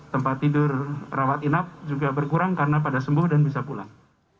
tempat tidur rawat inap juga berkurang karena pada sembuh dan bisa pulang